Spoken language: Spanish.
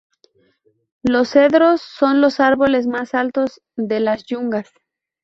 Los cedros son los árboles más altos de las Yungas.